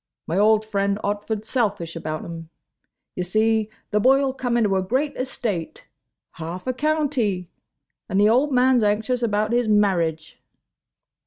"My old friend. Otford's selfish about him. Ye see, the boy 'll come into a great estate. Half a county. And the old man's anxious about his marriage."